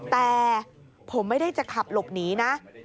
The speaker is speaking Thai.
แต่ผมไม่ได้จะขับหลบหนีนะ